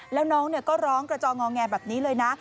แล้วน้องก็ร้องกระจองงอแงแบบนี้เลยนะ